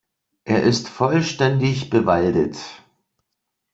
Er ist vollständig bewaldet.